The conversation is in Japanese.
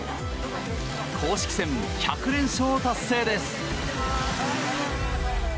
公式戦１００連勝達成です。